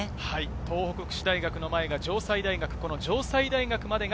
東北福祉大の前が城西大学です。